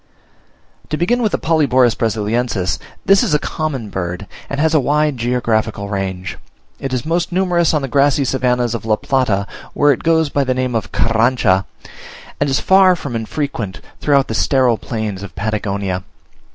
To begin with the Polyborus Brasiliensis: this is a common bird, and has a wide geographical range; it is most numerous on the grassy savannahs of La Plata (where it goes by the name of Carrancha), and is far from unfrequent throughout the sterile plains of Patagonia.